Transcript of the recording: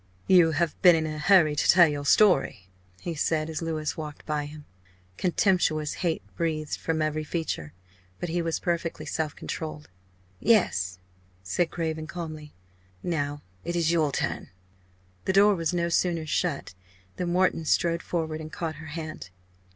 "You have been in a hurry to tell your story!" he said, as Louis walked by him. Contemptuous hate breathed from every feature, but he was perfectly self controlled. "Yes " said Craven, calmly "Now it is your turn." The door was no sooner shut than Wharton strode forward and caught her hand.